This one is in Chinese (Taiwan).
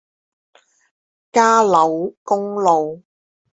嘉柳公路